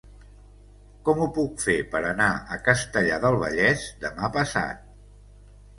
Com ho puc fer per anar a Castellar del Vallès demà passat?